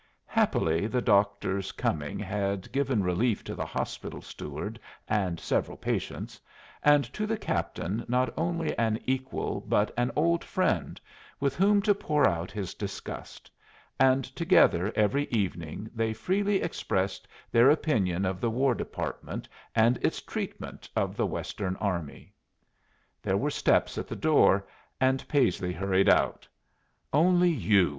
Happily the doctor's coming had given relief to the hospital steward and several patients, and to the captain not only an equal, but an old friend, with whom to pour out his disgust; and together every evening they freely expressed their opinion of the War Department and its treatment of the Western army. There were steps at the door, and Paisley hurried out. "Only you!"